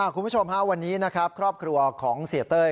คุณผู้ชมวันนี้ครอบครัวของเศรษฐ์เต้ย